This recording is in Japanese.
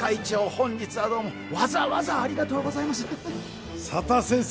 本日はどうもわざわざありがとうございます佐田先生